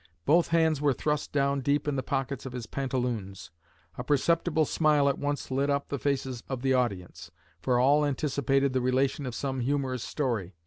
Both hands were thrust down deep in the pockets of his pantaloons. A perceptible smile at once lit up the faces of the audience, for all anticipated the relation of some humorous story.